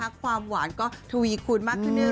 ทักความหวานก็ทุยคุณมากขึ้นเรื่อย